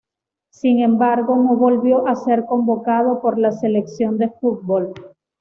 Sin embargo no volvió a ser convocado por la selección de fútbol.